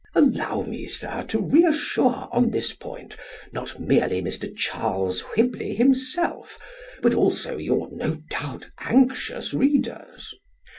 Allow me, sir, to re assure on this point not merely Mr. Charles Whibley himself, but also your, no doubt, anxious readers.